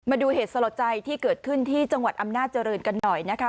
มาดูเหตุสลดใจที่เกิดขึ้นที่จังหวัดอำนาจริงกันหน่อยนะคะ